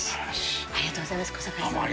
ありがとうございます小堺さんも。